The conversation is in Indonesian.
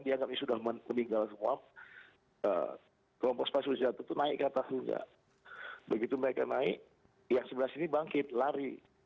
dianggap sudah meninggal semua kelompok spasial itu naik ke atas enggak begitu mereka naik yang sebelah sini bangkit lari